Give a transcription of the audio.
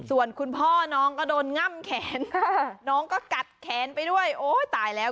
ส่วนคุณพ่อน้องก็โดนง่ำแขนน้องก็กัดแขนไปด้วยโอ้ยตายแล้ว